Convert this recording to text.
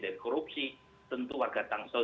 dari korupsi tentu warga tangsel